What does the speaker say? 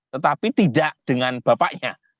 tetapi tidak dengan bapaknya